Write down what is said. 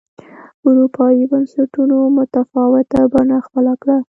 اروپايي بنسټونو متفاوته بڼه خپله کړه.